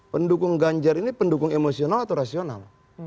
pendukung ganjar ini pendukung emosional atau rasional